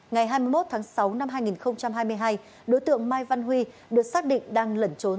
ngày hai mươi một tháng sáu năm hai nghìn hai mươi hai đối tượng mai văn huy được xác định đang lẩn trốn